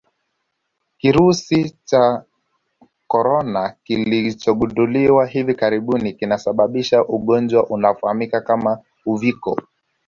Kirusi cha Corona kilichogundulika hivi karibuni kinasababisha ugonjwa unaofahamika kama Uviko